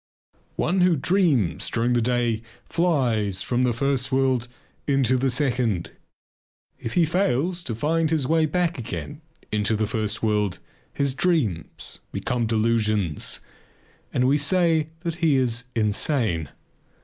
One who dreams during the day flies from the first world into the second. If he fails to find his way back again into the first world his dreams become delusions and we say that he is insane.